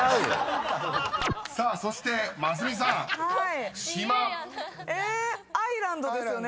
［さあそしてますみさん島］えアイランドですよね。